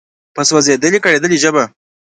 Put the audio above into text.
په سوزیدلي، کړیدلي ژبه